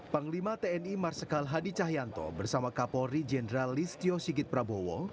panglima tni marsikal hadi cahyanto bersama kapolri jenderal listio sigit prabowo